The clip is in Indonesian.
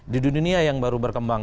di dunia yang baru berkembang